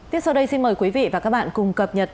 tiếp sau đây xin mời quý vị và các bạn cùng cập nhật